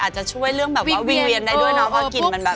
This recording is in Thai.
อาจจะช่วยเรื่องแบบว่าวิ่งเวียนได้ด้วยเนอะ